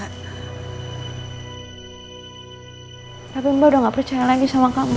hai tapi mbak udah nggak percaya lagi sama kamu